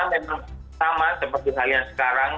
memang sama seperti hal yang sekarang